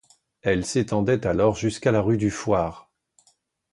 Elle s'étendait alors jusqu'à la rue du Fouarre.